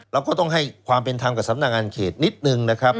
เราก็ต้องให้ความเป็นธรรมกับสำนักงานเขตนิดนึงนะครับ